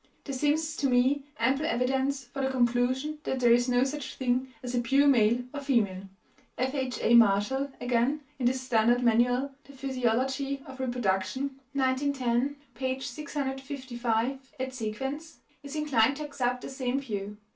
There seems to me ample evidence for the conclusion that there is no such thing as a pure male or female." F.H.A. Marshall, again, in his standard manual, The Physiology of Reproduction (1910, p. 655 et seq.), is inclined to accept the same view.